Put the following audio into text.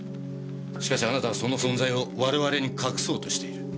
しかしあなたはその存在を我々に隠そうとしている。